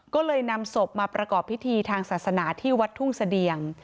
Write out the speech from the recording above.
ก็เลยนำศพมาประกอบพิธีทางศาสนาที่วัดทุ่งเสดียง